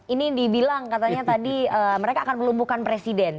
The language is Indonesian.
ini dibilang katanya tadi mereka akan melumpuhkan presiden